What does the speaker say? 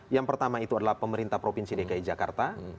yang pertama itu adalah pemerintah provinsi dki jakarta